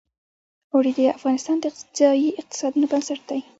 اوړي د افغانستان د ځایي اقتصادونو بنسټ دی.